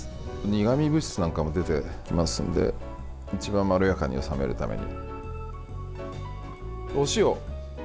苦み物質なんかも出てきますので一番まろやかに収めるために。